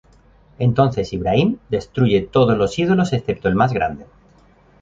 Entonces Ibrahim destruye todos los ídolos excepto el más grande.